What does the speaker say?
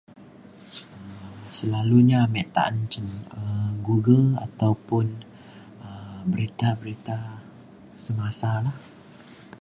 selalunya me ta'an cin um google ataupun um berita berita semasa lah